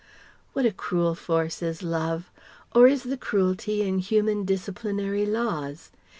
What a cruel force is Love! Or is the cruelty in human disciplinary laws?